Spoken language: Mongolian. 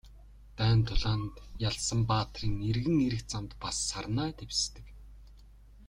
Дайн тулаанд ялсан баатрын эргэн ирэх замд бас сарнай дэвсдэг.